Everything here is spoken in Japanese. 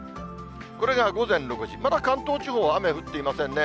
これが午前６時、まだ関東地方は雨降っていませんね。